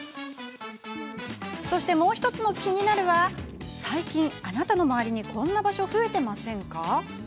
そしてもう１つの「キニナル」は最近あなたの周りにこんな場所、増えていませんか？